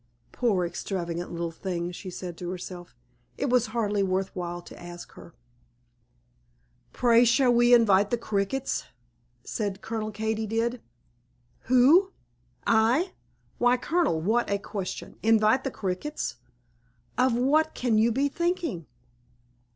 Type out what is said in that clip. "Poor extravagant little thing!" said she to herself, "it was hardly worth while to ask her." "Pray, shall you invite the Crickets?" said Colonel Katy did. "Who? I? Why, Colonel, what a question! Invite the Crickets? Of what can you be thinking?"